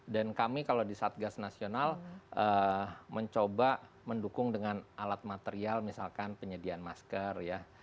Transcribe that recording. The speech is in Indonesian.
dan kami kalau di satgas nasional mencoba mendukung dengan alat material misalkan penyediaan masker ya